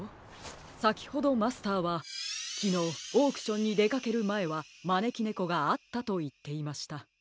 さきほどマスターはきのうオークションにでかけるまえはまねきねこがあったといっていました。